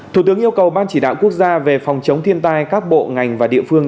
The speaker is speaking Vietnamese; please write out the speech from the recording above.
thủ tướng yêu cầu ban chỉ đạo quốc gia về phòng chống thiên tai các bộ ngành và địa phương